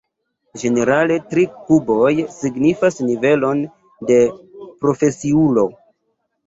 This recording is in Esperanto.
Ĝenerale, tri kuboj signifas nivelon de profesiulo.